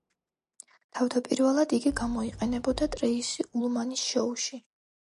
თავდაპირველად იგი გამოიყენებოდა ტრეისი ულმანის შოუში.